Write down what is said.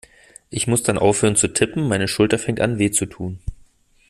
Ich muss dann aufhören zu tippen, meine Schulter fängt an weh zu tun.